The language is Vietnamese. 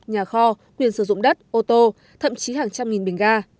nhà kho quyền sử dụng đất ô tô thậm chí hàng trăm nghìn bình ga